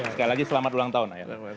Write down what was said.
sekali lagi selamat ulang tahun